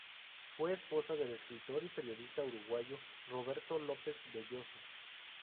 Fue esposa del escritor y periodista uruguayo Roberto López Belloso.